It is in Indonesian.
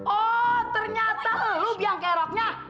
oh ternyata lu biang keroknya